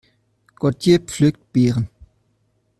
Gotje pflückt Beeren.